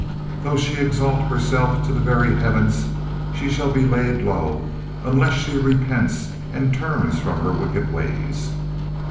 Though she exalt herself to the very heavens, she shall be laid low, unless she repents and turns from her wicked ways.